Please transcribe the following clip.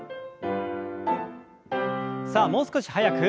さあもう少し速く。